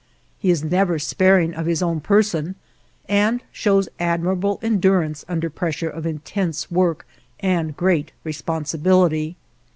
He is never sparing of his own person, and shows admirable endurance under pressure of intense work and great responsibility.